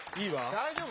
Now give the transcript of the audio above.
大丈夫？